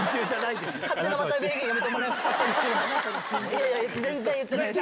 いやいや全然言ってないです。